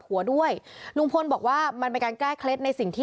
ทั้งหลวงผู้ลิ้น